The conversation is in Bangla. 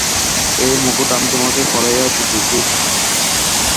এ মুকুট আমি তোমাকে পরাইয়া দিতেছি।